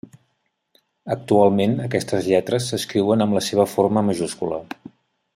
Actualment aquestes lletres s'escriuen amb la seva forma majúscula.